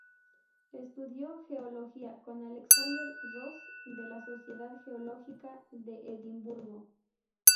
Estudió Geología con Alexander Rose de la Sociedad Geológica de Edimburgo.